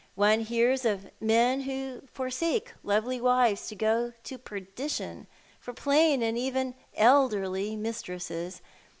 One hears of men who forsake lovely wives to go to per dition for plain and even elderly mistresses.